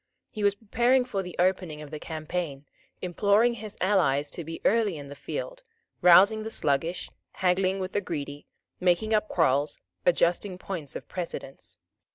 He was preparing for the opening of the campaign, imploring his allies to be early in the field, rousing the sluggish, haggling with the greedy, making up quarrels, adjusting points of precedence.